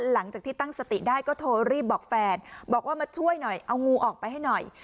หลังจากที่ตั้งสติได้ก็โทรรีบบอกแฟนบอกว่ามาช่วยหน่อยเอางูออกไปให้หน่อย